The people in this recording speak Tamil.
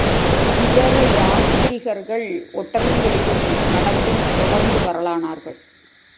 இதர யாத்திரிகர்கள் ஒட்டகங்களிலும், நடந்தும் தொடர்ந்து வரலானார்கள்.